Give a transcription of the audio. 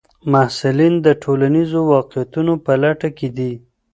محصلین د ټولنیزو واقعیتونو په لټه کې دي.